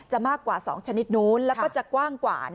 จะมากกว่า๒ชนิดโน้นและกว้างกว่า